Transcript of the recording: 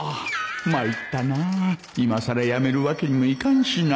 参ったなあいまさらやめるわけにもいかんしな